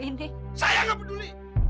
saya tidak peduli